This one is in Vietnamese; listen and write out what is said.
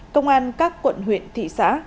công an các quận huyện thị xã